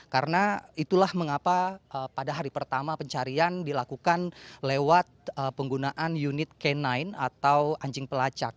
karena itulah mengapa pada hari pertama pencarian dilakukan lewat penggunaan unit k sembilan atau anjing pelacak